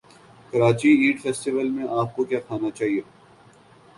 Karachi eat festival میں اپ کو کیا کھانا چاہیے